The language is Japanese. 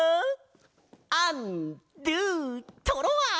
アンドゥトロワ！ホホホ！